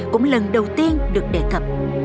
cũng lần đầu tiên được đề cập